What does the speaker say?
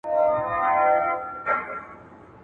د کابل صنعت اقتصاد ته څه ګټه رسوي؟